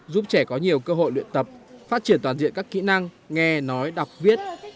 giúp trẻ có nhiều cơ hội luyện tập phát triển toàn diện các kỹ năng nghe nói đọc viết